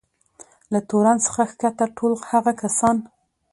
له تورن څخه کښته ټول هغه کسان.